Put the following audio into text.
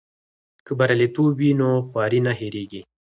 که بریالیتوب وي نو خواري نه هېریږي.